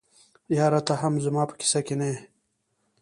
یاره ته هم زما په کیسه کي نه یې.